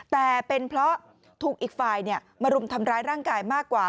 แต่เป็นเพราะถูกอีกฝ่ายมารุมทำร้ายร่างกายมากกว่า